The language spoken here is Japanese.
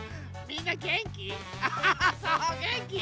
みんなげんき？